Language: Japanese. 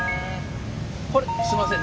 これすいません